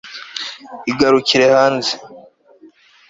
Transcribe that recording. iragukurikira hanze